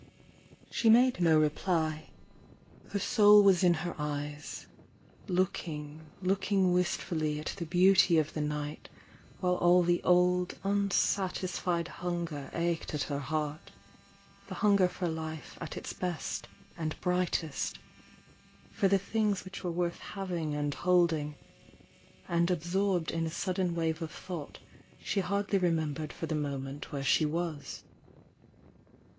She made no reply. Her soul was in her eyes — looking, looking wistfully at the beauty of the night, while all the old, unsatisfied hunger ached at her heart — the hunger for life at its best and brightest — for the things which were worth having and hold ing, — and absorbed in a sudden wave of thought she hardly remembered for the moment where she was.